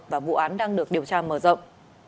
và vụ án đang được điều tra mở rộng